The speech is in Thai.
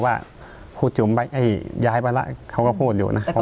ว่าพูดจุ๋มไปเอ้ยย้ายไปแล้วเขาก็พูดอยู่นะแต่ก็